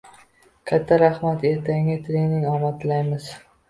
— Katta rahmat, ertangi treningizda omad tilaymiz.